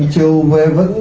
chiều về vẫn